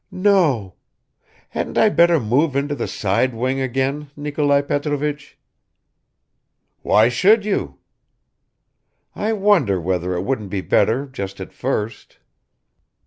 "No. Hadn't I better move into the side wing again, Nikolai Petrovich?" "Why should you?" "I wonder whether it wouldn't be better just at first."